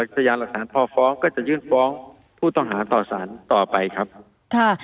พยานหลักฐานพอฟ้องก็จะยื่นฟ้องผู้ต้องหาต่อสารต่อไปครับค่ะ